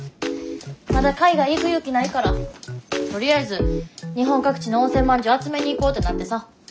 まだ海外行く勇気ないからとりあえず日本各地の温泉まんじゅう集めに行こうってなってさ。